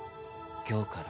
今日から。